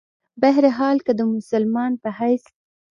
بهرحال کۀ د مسلمان پۀ حېث